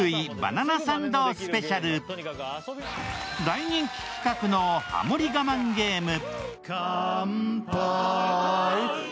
大人気企画のハモり我慢ゲーム。